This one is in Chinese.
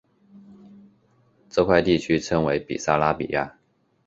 这块地区称为比萨拉比亚。